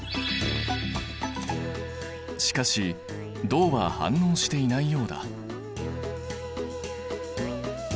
しかし銅は反応していないようだ。